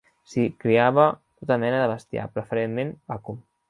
S'hi criava tota mena de bestiar, preferentment vacum.